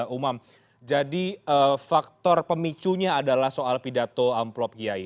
umam jadi faktor pemicunya adalah soal pidato amplop kiai